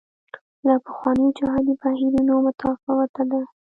له پخوانیو جهادي بهیرونو متفاوته ده.